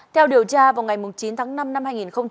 theo điều tra vào ngày chín tháng năm năm hai nghìn hai mươi